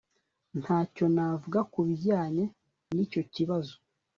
Ntacyo navuga kubijyanye nicyo kibazo